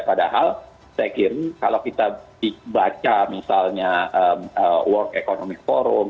padahal saya kira kalau kita baca misalnya world economic forum